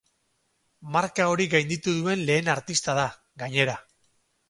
Marka hori gainditu duen lehen artista da, gainera.